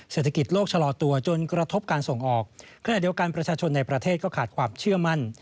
เศรษฐกิจโลกชะลอตัวจนกระทบการส่งออกขณะเดียวกันประชาชนในประเทศก็ขาดความเชื่อมั่น